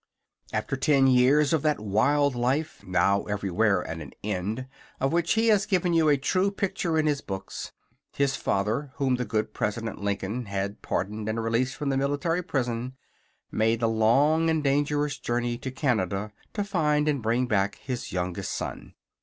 After ten years of that wild life, now everywhere at an end, of which he has given you a true picture in his books, his father, whom the good President Lincoln had pardoned and released from the military prison, made the long and dangerous journey to Canada to find and bring back his youngest son.